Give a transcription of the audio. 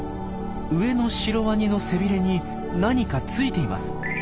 上のシロワニの背びれに何かついています。